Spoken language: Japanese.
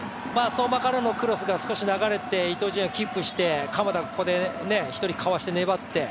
相馬からのクロスが少し流れて、伊東純也がキープして鎌田がここで１人、かわして粘って。